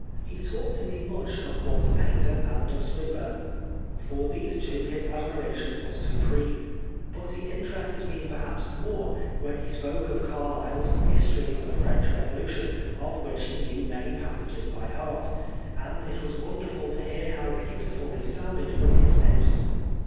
He talked to me much of Walter Pater and of Swin burne. For these two his admiration was supreme. But he interested me, perhaps, more when he spoke of Carlyle's History of the French Revolution, of which he knew many passages by heart, and it was wonderful to hear how beautiful they sounded from his lips.